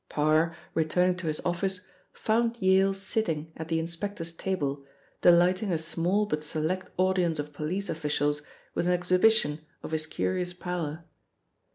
Parr, returning to his office, found Yale sitting at the inspector's table, delighting a small but select audience of police officials with an exhibition of his curious power.